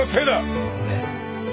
ごめん。